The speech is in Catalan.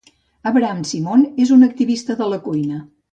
Abraham Simon és un activista de la cuina